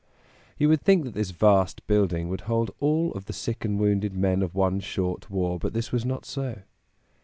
You would think that this vast building would hold all the sick and wounded men of one short war; but this was not so.